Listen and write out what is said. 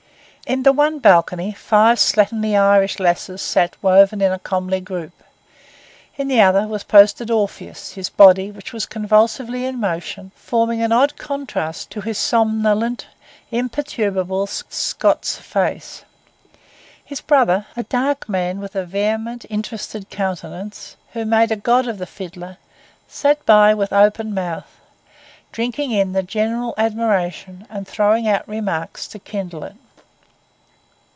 In the one balcony, five slatternly Irish lasses sat woven in a comely group. In the other was posted Orpheus, his body, which was convulsively in motion, forming an odd contrast to his somnolent, imperturbable Scots face. His brother, a dark man with a vehement, interested countenance, who made a god of the fiddler, sat by with open mouth, drinking in the general admiration and throwing out remarks to kindle it.